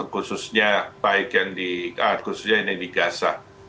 khususnya yang di gaza